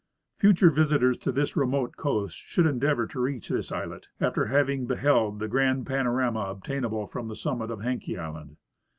. Future visitors to this remote coast should endeavor to reach this islet, after having beheld the grand panorama obtainable from the summit of Haenke island.